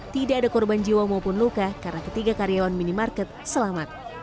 tidak ada korban jiwa maupun luka karena ketiga karyawan minimarket selamat